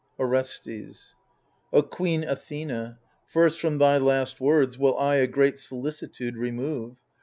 Orestes O queen Athena, first from thy last words Will I a great solicitude remove.